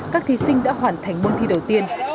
các thí sinh đã hoàn thành môn thi đầu tiên